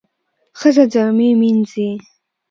ښځه جامې مینځي.